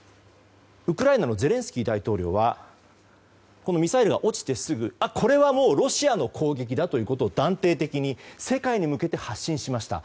ウクライナのゼレンスキー大統領はこのミサイルが落ちてすぐこれはロシアの攻撃だと断定的に世界に向けて発信しました。